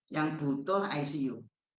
yang butuh icu